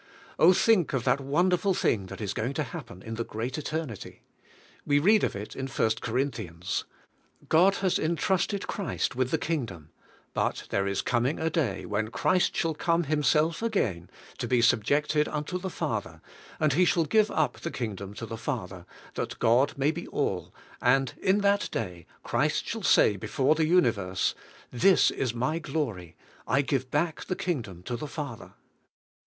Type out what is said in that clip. Oh, think of that wonderful thing that is going to happen in the great eternity. We read of it in ist Corinthians: God has entrusted Christ THE KIXGDOM FIRST 71 with the Kingdom, but there is coming a day when Christ shall come Himself again to be subjected unto the Father, and He shall give up the King dom to the Father, that God may be all, and in that day Christ shall say before the universe :" This is my glory, I give back the Kingdom to the Father!"